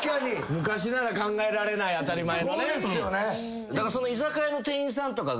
昔なら考えられない当たり前のね。